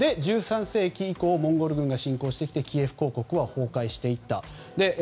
１３世紀以降モンゴル軍が侵略してキエフ公国は崩壊していった。